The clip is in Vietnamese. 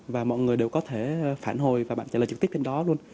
và mọi người đều có thể phản hồi và bạn trả lời trực tiếp trên đó luôn